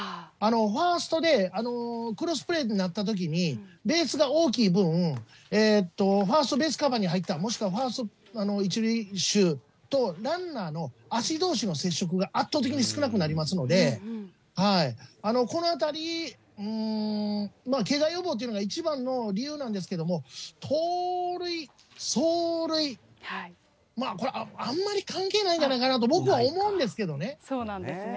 ファーストで、クロスプレーになったときにベースが大きい分、ファースト、ベースカバーに入った、もしくはファースト１塁手とランナーの足どうしの接触があったときに、少なくなりますので、このあたり、けが予防というのが一番の理由なんですけども、盗塁、走塁、まあこれ、あんまり関係ないんじゃないかなと僕は思うんでそうなんですね。